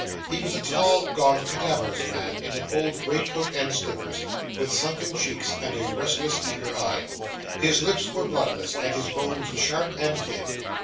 He was a tall, gaunt, cadaverous man, in an old greatcoat and slippers, with sunken cheeks, and a restless, eager eye. His lips were bloodless, and his bones sharp and thin.